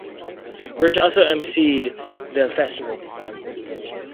Rich also emceed the festival.